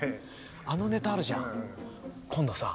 あのネタあるじゃん今度さ